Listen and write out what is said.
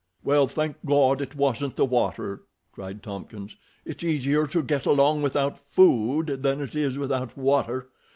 "Well, thank Gawd it wasn't the water," cried Thompkins. "It's easier to get along without food than it is without water.